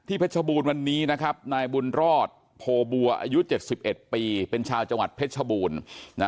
เพชรบูรณ์วันนี้นะครับนายบุญรอดโพบัวอายุ๗๑ปีเป็นชาวจังหวัดเพชรชบูรณ์